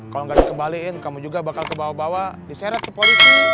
kalau nggak dikembaliin kamu juga bakal kebawa bawa diseret ke polisi